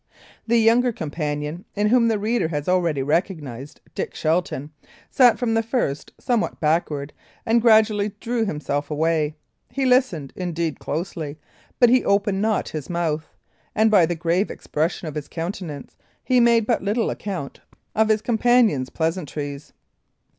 The younger companion, in whom the reader has already recognised Dick Shelton, sat from the first somewhat backward, and gradually drew himself away. He listened, indeed, closely, but he opened not his mouth; and by the grave expression of his countenance, he made but little account of his companion's pleasantries.